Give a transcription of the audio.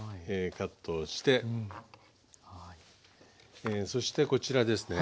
カットしてそしてこちらですね。